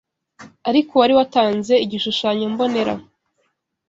Ariko uwari watanze igishushanyombonera